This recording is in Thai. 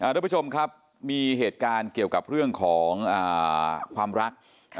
ทุกผู้ชมครับมีเหตุการณ์เกี่ยวกับเรื่องของความรัก